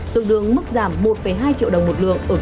tuyệt đường mức giảm một hai triệu đồng